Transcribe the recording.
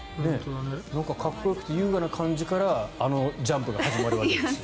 かっこよくて優雅な感じからあのジャンプが始まるわけですよ。